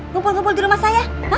ngumpul ngumpul di rumah saya